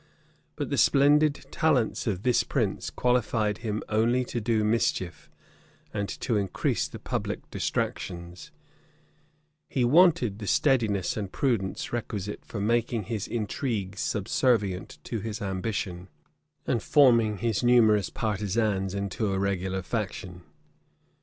[*] But the splendid talents of this prince qualified him only to do mischief, and to increase the public distractions: he wanted the steadiness and prudence requisite for making his intrigues subservient to his ambition, and forming his numerous partisans into a regular faction.